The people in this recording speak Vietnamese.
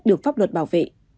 được pháp luật bảo vệ